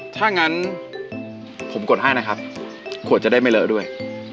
ถ้างั้นผมกดให้นะครับขวดจะได้ไม่เลอะด้วย